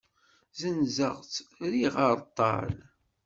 Zzenzeɣ-tt, rriɣ areṭṭal.